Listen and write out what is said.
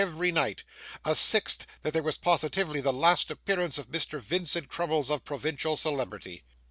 every night; a sixth, that that was positively the last appearance of Mr. Vincent Crummles of Provincial Celebrity.